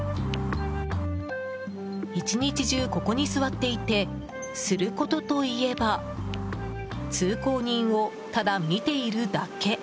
１日中、ここに座っていてすることといえば通行人を、ただ見ているだけ。